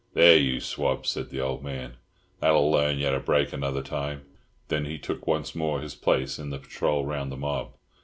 "There, you swab," said the old man, "that'll larn you to break another time." Then he took once more his place in the patrol round the mob.